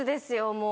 もう。